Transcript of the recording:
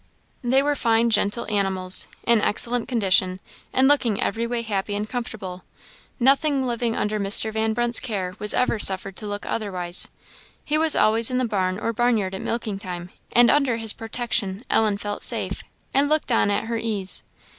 They were fine, gentle animals, in excellent condition, and looking every way happy and comfortable; nothing living under Mr. Van Brunt's care was ever suffered to look otherwise. He was always in the barn or barnyard at milking time, and under his protection Ellen felt safe, and looked on at her ease.